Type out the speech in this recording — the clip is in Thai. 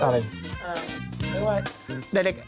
รอฟัง